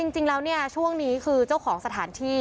จริงแล้วเนี่ยช่วงนี้คือเจ้าของสถานที่